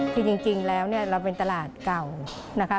คือจริงแล้วเราเป็นตลาดเก่า